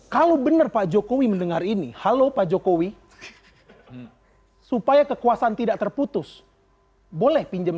kali ini halo pak jokowi supaya kekuasaan tidak terputus boleh pinjem seratus